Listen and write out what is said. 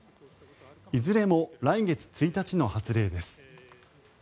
いずれも来月１日の発令です。